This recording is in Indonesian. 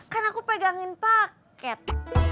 kan aku pegangin paket